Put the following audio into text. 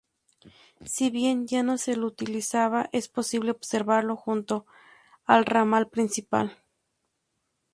Si bien ya no se lo utiliza, es posible observarlo junto al ramal principal.